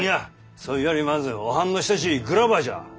そいよりまずおはんの親しいグラバーじゃ。